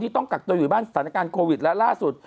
ต้องกักตัวอยู่บ้านสถานการณ์โควิดแล้วล่าสุด